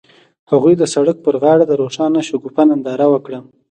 هغوی د سړک پر غاړه د روښانه شګوفه ننداره وکړه.